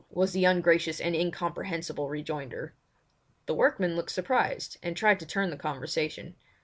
was the ungracious and incomprehensible rejoinder. The workman looked surprised, and tried to turn the conversation.